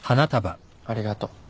ありがとう。